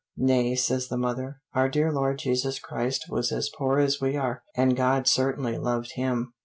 "Nay," says the mother, "our dear Lord Jesus Christ was as poor as we are, and God certainly loved him."